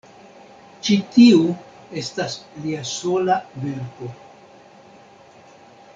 Ĉi tiu estas lia sola verko.